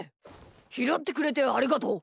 ひろってくれてありがとう。